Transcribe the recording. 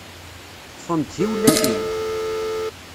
Teṭṭfem-d tiwlafin?